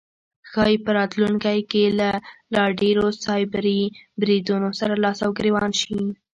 ښایي په راتلونکی کې له لا ډیرو سایبري بریدونو سره لاس او ګریوان شي